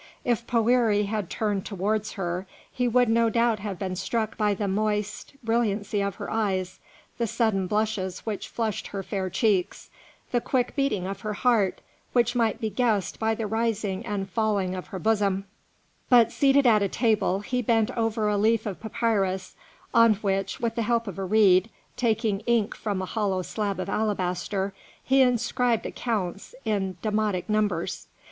If Poëri had turned towards her, he would no doubt have been struck by the moist brilliancy of her eyes, the sudden blushes which flushed her fair cheeks, the quick beating of her heart which might be guessed by the rising and falling of her bosom; but seated at a table, he bent over a leaf of papyrus on which, with the help of a reed, taking ink from a hollowed slab of alabaster, he inscribed accounts in demotic numbers.